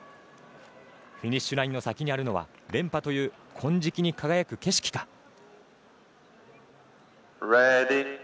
フィニッシュラインの先にあるのは連覇という金色に輝く景色か。